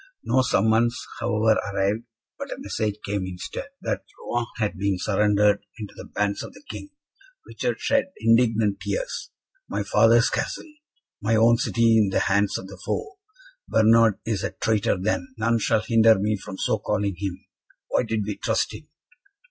No summons, however, arrived, but a message came instead, that Rouen had been surrendered into the bands of the King. Richard shed indignant tears. "My father's Castle! My own city in the hands of the foe! Bernard is a traitor then! None shall hinder me from so calling him. Why did we trust him?"